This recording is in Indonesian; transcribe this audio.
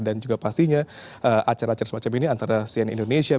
dan juga pastinya acara acara semacam ini antara cn indonesia